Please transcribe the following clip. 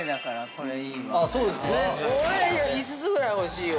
これ、５つぐらい欲しいわ。